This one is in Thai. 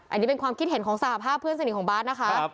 อันนี้เป็นความคิดเห็นของสหภาพเพื่อนสนิทของบาร์ดนะคะ